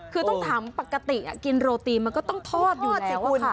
คือต้องถามปกติกินโรตีมันก็ต้องทอดอยู่แล้วค่ะ